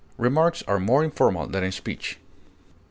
Remarks are more informal than a speech.